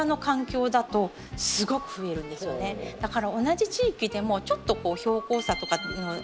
だから同じ地域でもちょっと標高差とか